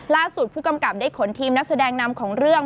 ล่าสุดผู้กำกับได้ขนทีมนักแสดงนำของเรื่อง